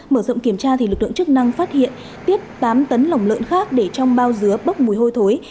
mở rộng kiểm tra lực lượng chức năng phát hiện tiếp tám tấn lỏng lợn khác để trong bao dứa bốc mùi hôi thối